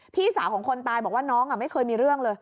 พี่สาวของคนตายบอกว่าน้องไม่เคยมีเรื่องเลย